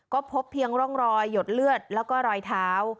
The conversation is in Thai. ก็พบเพียงร่องรอยหยดเลือดแล้วก็รอยเท้า